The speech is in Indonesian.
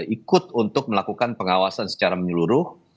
ikut untuk melakukan pengawasan secara menyeluruh